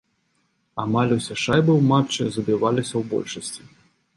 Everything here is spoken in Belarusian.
Амаль усе шайбы ў матчы забіваліся ў большасці.